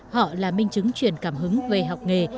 họ là minh chứng truyền cảm hứng về học nghề